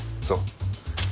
そう。